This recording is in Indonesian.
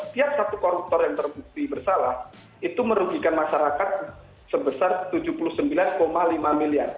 tiap satu koruptor yang terbukti bersalah itu merugikan masyarakat sebesar rp tujuh puluh sembilan lima miliar